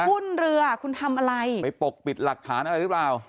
ขึ้นเรือคุณทำอะไรไปปกปิดหลักฐานอะไรหรือเปล่า